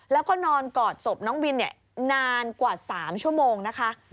แล้วก็นอนกอดศพน้องวินนานกว่า๓ชั่วโมงนะคะ